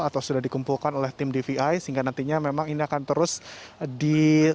atau sudah dikumpulkan oleh tim dvi sehingga nantinya memang ini akan terus di